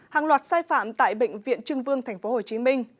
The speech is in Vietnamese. hàng loạt sai phạm tại bệnh viện trưng vương tp hcm